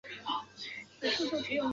此段始于宝安南路与嘉宾路交叉口。